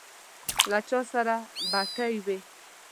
له چا سره بتۍ وې.